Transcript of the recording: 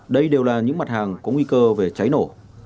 đây đều là những mặt hàng có nguy cơ về cháy nổ